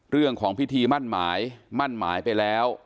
เรื่องของพิธีมั่นหมายมั่นหมายไปแล้ว